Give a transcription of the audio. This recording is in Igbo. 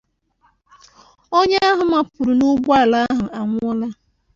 onye ahụ mapụrụ n'ụgbọala ahụ anwụọla